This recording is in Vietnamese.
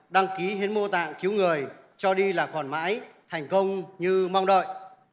đăng ký hiến mô tạng cứu người cho đi là còn mãi thành công như mong đợi